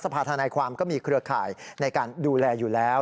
ภาธนายความก็มีเครือข่ายในการดูแลอยู่แล้ว